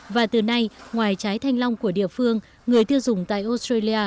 và từ nay ngoài trái thanh long của địa phương người tiêu dùng tại australia